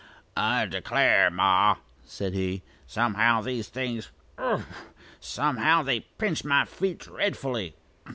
"I declare, ma," said he; "somehow these things phew! Somehow they pinch my feet dreadfully.